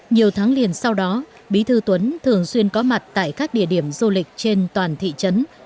nhiều tháng liền sau đó bí thư tuấn thường xuyên có mặt tại các địa điểm du lịch trên toàn thị trấn